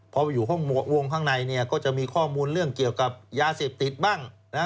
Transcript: พอไปอยู่วงข้างในเนี่ยก็จะมีข้อมูลเรื่องเกี่ยวกับยาเสพติดบ้างนะฮะ